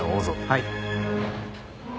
はい。